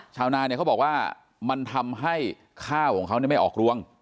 ชาวนาเนี่ยเขาบอกว่ามันทำให้ข้าวของเขาไม่ออกรวง